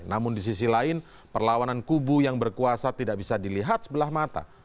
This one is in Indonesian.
namun di sisi lain perlawanan kubu yang berkuasa tidak bisa dilihat sebelah mata